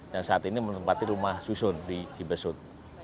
yang saat ini menempati rumah susun di cibesut